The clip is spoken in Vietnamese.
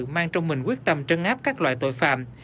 mang trong mình quyết tâm trấn áp các loại tội phạm